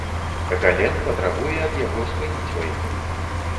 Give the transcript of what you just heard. Гален патрабуе ад яго спыніць вайну.